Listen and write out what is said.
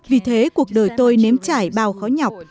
vì thế cuộc đời tôi nếm trải bao khó nhọc